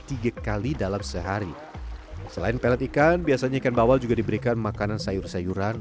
tiga kali dalam sehari selain pelet ikan biasanya ikan bawal juga diberikan makanan sayur sayuran